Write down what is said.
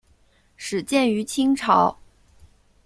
始建于清朝。